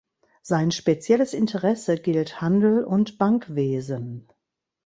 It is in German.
Sein spezielles Interesse gilt Handel und Bankwesen.